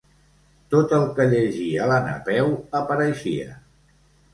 Tot el que llegia la Napeu apareixia.